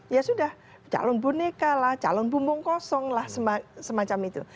ya sudah calon boneka lah calon bumbung kosong lah semacam itu